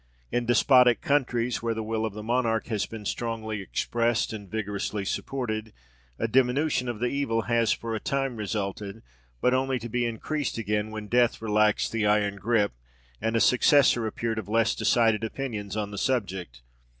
In despotic countries, where the will of the monarch has been strongly expressed and vigorously supported, a diminution of the evil has for a time resulted, but only to be increased again, when death relaxed the iron grasp, and a successor appeared of less decided opinions on the subject.